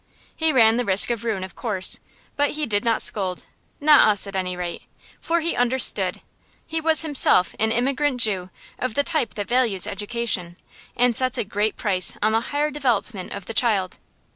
He ran the risk of ruin, of course, but he did not scold not us, at any rate. For he understood. He was himself an immigrant Jew of the type that values education, and sets a great price on the higher development of the child.